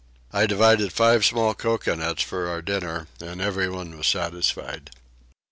I divided five small coconuts for our dinner and everyone was satisfied.